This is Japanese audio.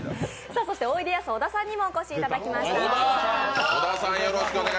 おいでやす小田さんにもお越しいただきました。